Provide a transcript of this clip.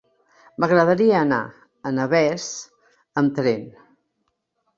M'agradaria anar a Navès amb tren.